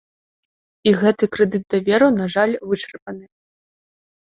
І гэты крэдыт даверу, на жаль, вычарпаны.